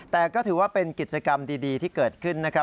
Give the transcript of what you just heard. แต่ก็ถือว่าเป็นกิจกรรมดีที่เกิดขึ้นนะครับ